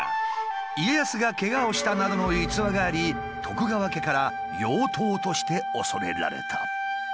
家康がけがをしたなどの逸話があり徳川家から妖刀として恐れられた。